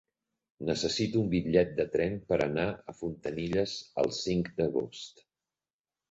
Necessito un bitllet de tren per anar a Fontanilles el cinc d'agost.